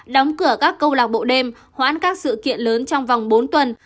đóng cửa các câu lạc bộ đêm hoãn các sự kiện lớn trong vòng bốn tuần